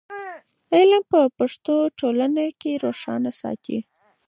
علم په پښتو ټولنه روښانه ساتي.